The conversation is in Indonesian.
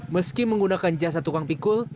meski menggunakan jasa tukang pikul